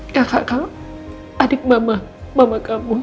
kakak kamu adik mama mama kamu